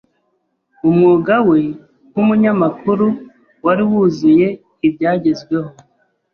Umwuga we nkumunyamakuru wari wuzuye ibyagezweho.